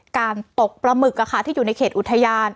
การตกปลาหมึกที่อยู่ในเขตอุทยาน